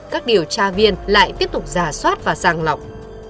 các điều tra viên lại tiếp tục rà soát và sàng lọng